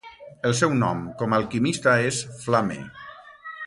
El seu nom com alquimista es Flame.